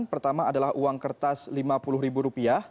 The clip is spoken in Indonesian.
pertama adalah uang kertas rp lima puluh